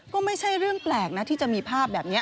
ก็ไม่ใช่เรื่องแปลกนะที่จะมีภาพแบบนี้